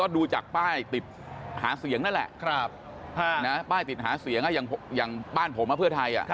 ในบ้านติดหาเสียงอย่างบ้านผมเพื่อไทย